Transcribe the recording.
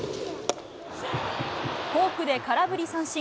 フォークで空振り三振。